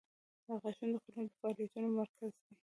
• غاښونه د خولې د فعالیتونو مرکز دي.